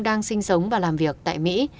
đang sinh sống và làm việc tại mỹ